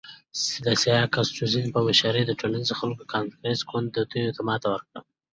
د سیاکا سټیونز په مشرۍ د ټولو خلکو کانګرس ګوند دوی ته ماته ورکړه.